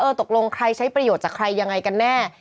ตกลงใครใช้ประโยชน์จากใครยังไงกันแน่